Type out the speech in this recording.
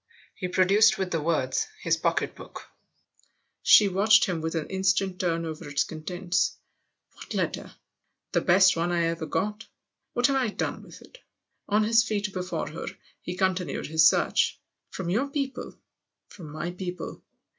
He produced, with the words, his pocket book. She watched him an instant turn over its con tents. "What letter?" " The best one I ever got. What have I done with it ?" On his feet before her, he continued his search. " From your people ?"" From my people.